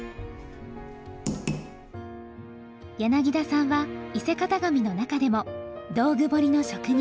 柳田さんは伊勢型紙の中でも道具彫の職人。